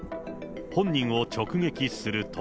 本人を直撃すると。